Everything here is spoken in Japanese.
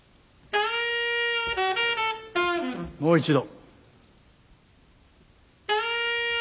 もう一度。